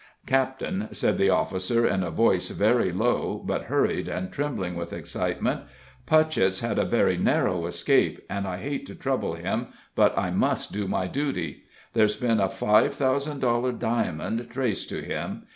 "Captain," said the officer, in a voice very low, but hurried and trembling with excitement, "Putchett's had a very narrow escape, and I hate to trouble him, but I must do my duty. There's been a five thousand dollar diamond traced to him.